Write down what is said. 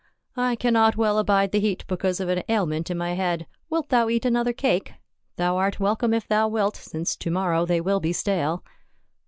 " I cannot well abide the heat because of an ailment in my head. Wilt thou eat another cake ? thou art welcome if thou wilt, since to morrow they will be stale."